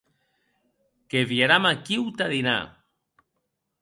Que vieram aquiu tà dinar.